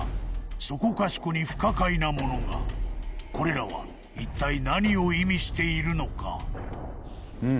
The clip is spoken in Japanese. そこかしこに不可解なものがこれらはいったい何を意味しているのか？